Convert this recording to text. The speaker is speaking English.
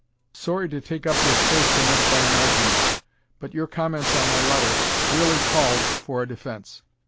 Sorry to take up your space so much by an argument, but your comments on my letter really called for a defense.